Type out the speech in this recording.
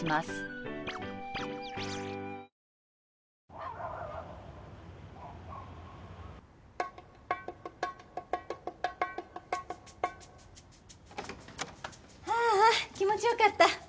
ニトリあーあ気持ちよかった。